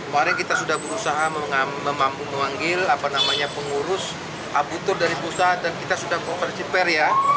kemarin kita sudah berusaha memanggil pengurus abutur dari pusat dan kita sudah konversi per ya